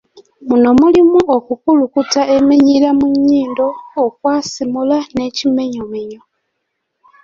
Muno mulimu okukulukuta eminyira mu nnyindo, okwasimula n’ekimenyomenyo.